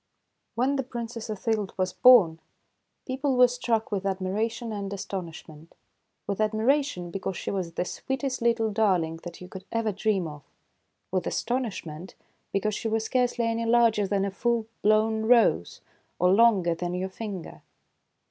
¥ W HEN the Princess Othilde was born, people were struck with admiration and astonish ment, — with admiration, because she was the sweetest little darling that you could ever dream of ; with astonishment, because she was scarcely any larger than a full blown rose, or longer than your finger.